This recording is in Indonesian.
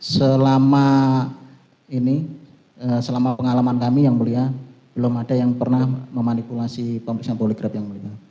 selama ini selama pengalaman kami yang mulia belum ada yang pernah memanipulasi pemeriksaan poligraf yang mulia